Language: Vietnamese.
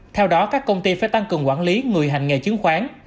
theo đó các công ty phải tăng cường quản lý người hành nghề chứng khoán